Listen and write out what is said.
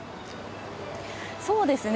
そうですね。